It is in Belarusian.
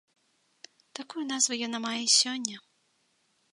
Такую назву яна мае і сёння.